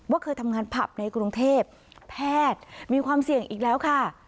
เคยทำงานผับในกรุงเทพแพทย์มีความเสี่ยงอีกแล้วค่ะ